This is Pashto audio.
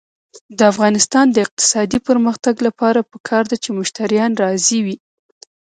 د افغانستان د اقتصادي پرمختګ لپاره پکار ده چې مشتریان راضي وي.